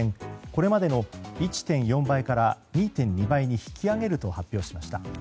これまでの１．４倍から２．２倍に引き上げると発表しました。